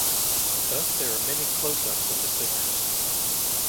Thus, there are many close-ups of the singers.